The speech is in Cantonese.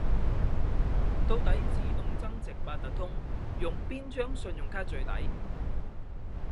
到底自動增值八達通，用邊張信用卡最抵？